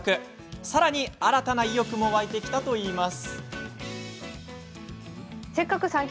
さらに新たな意欲も湧いてきたといいます。